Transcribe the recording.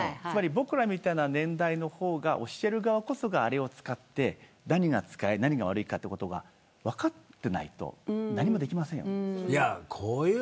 僕らみたいな年代の方が教える側こそがあれを使って何が使えて何が悪いかということが分かっていないと何もできません。